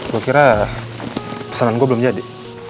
gue kira pesanan gue belum jadi